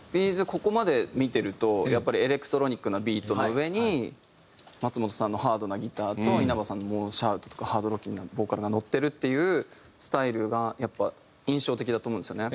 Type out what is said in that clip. ここまで見てるとやっぱりエレクトロニックなビートの上に松本さんのハードなギターと稲葉さんのシャウトとかハードロッキングなボーカルが乗ってるっていうスタイルがやっぱ印象的だと思うんですよね。